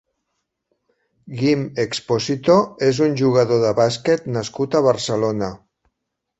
Guim Expósito és un jugador de bàsquet nascut a Barcelona.